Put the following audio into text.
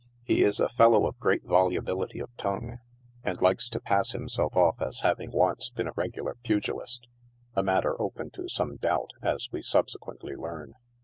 He is a fellow of great volubility of tongue, and likes to pass himself off as having once been a regular pugilist, a matter open to some doubt, as we subsequently learn.